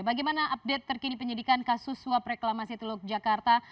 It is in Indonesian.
bagaimana update terkini penyidikan kasus suap reklamasi teluk jakarta